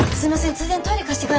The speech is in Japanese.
ついでにトイレ貸して下さい。